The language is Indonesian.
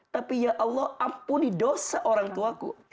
tapi ya allah ampuni dosa orang tuaku